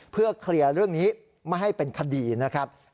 เพื่อเคลียร์เรื่องนี้ไม่ให้เป็นคดีนะครับ